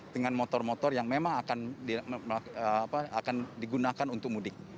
dengan motor motor yang memang akan digunakan untuk mudik